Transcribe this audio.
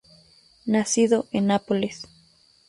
Nacido en Nápoles.